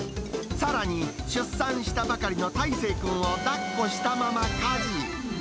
さらに、出産したばかりのたいせいくんをだっこしたまま家事。